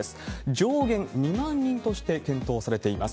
上限２万人として検討されています。